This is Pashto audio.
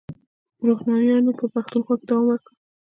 روښانیانو په پښتونخوا کې دوام وکړ.